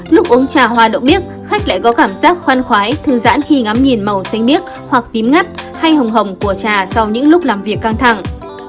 lúc uống trà hoa động biết khách lại có cảm giác khoan khoái thư giãn khi ngắm nhìn màu xanh biếc hoặc tím ngắt hay hồng hồng của trà sau những lúc làm việc căng thẳng